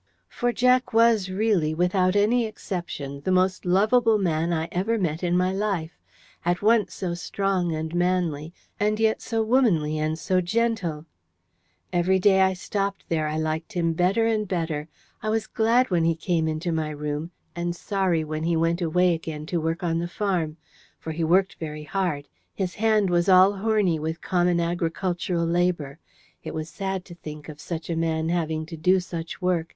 For Jack was really, without any exception, the most lovable man I ever met in my life at once so strong and manly, and yet so womanly and so gentle. Every day I stopped there, I liked him better and better. I was glad when he came into my room, and sorry when he went away again to work on the farm: for he worked very hard; his hand was all horny with common agricultural labour. It was sad to think of such a man having to do such work.